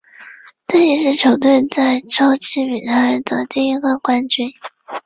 这亦是球队在洲际比赛的第一个冠军。